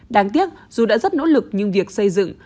đáng tiếc dù đã rất nỗ lực nhưng việc xây dựng